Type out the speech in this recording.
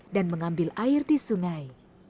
dan mengambil air di sungai